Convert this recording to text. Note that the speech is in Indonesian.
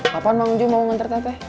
kapan mang jum mau menter teteh